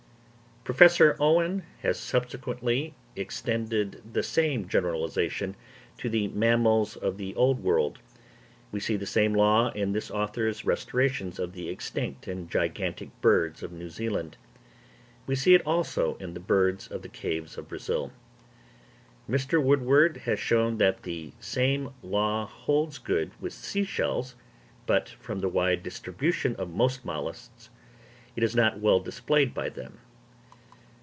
Professor Owen has subsequently extended the same generalisation to the mammals of the Old World. We see the same law in this author's restorations of the extinct and gigantic birds of New Zealand. We see it also in the birds of the caves of Brazil. Mr. Woodward has shown that the same law holds good with sea shells, but, from the wide distribution of most molluscs, it is not well displayed by them.